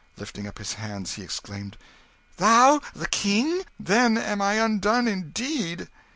Lifting up his hands, he exclaimed "Thou the King? Then am I undone indeed!"